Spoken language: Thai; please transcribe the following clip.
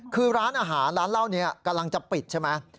คือร้านอาหารร้านเหล้านี้กำลังจะปิดใช่ไหม